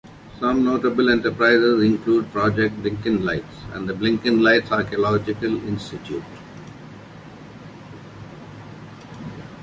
Some notable enterprises include Project Blinkenlights and the Blinkenlights Archaeological Institute.